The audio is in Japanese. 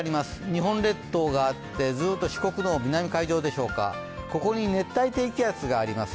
日本列島があってずっと四国の南海上でしょうか、ここに熱帯低気圧があります。